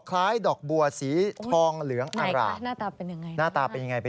คล้ายดอกบัวสีทองเหลืองอ่านหลากหน้าตาเป็นอย่างไรนะครับ